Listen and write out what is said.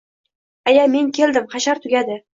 Aya, men keldim, hashar tugadi